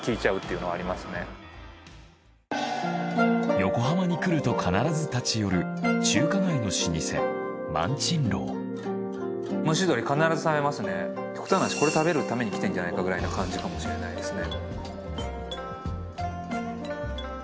横浜に来ると必ず立ち寄る中華街の老舗極端な話これ食べるために来てんじゃないかくらいな感じかもしれないですね。